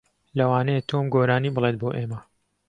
لەوانەیە تۆم گۆرانی بڵێت بۆ ئێمە.